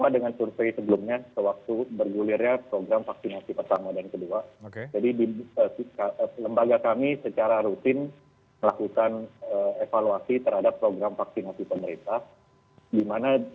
di awal bulan januari kemarin